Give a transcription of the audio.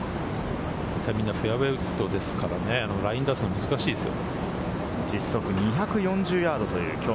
フェアウエーウッドですからね、ラインを出すのは難しいですよ。